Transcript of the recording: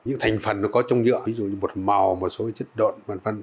những thành phần nó có trong nhựa ví dụ như bột màu một số chất độn